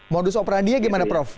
modus operandinya gimana prof